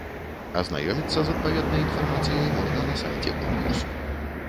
Азнаёміцца з адпаведнай інфармацыяй можна на сайце конкурсу.